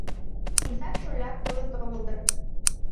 Изак-шоляк улыт огыл дыр?